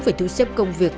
phải thu xếp công việc